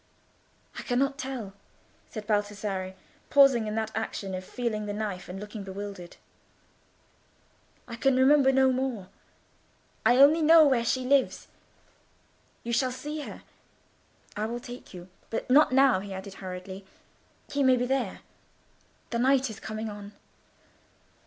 "I cannot tell," said Baldassarre, pausing in that action of feeling the knife, and looking bewildered. "I can remember no more. I only know where she lives. You shall see her. I will take you; but not now," he added hurriedly, "he may be there. The night is coming on."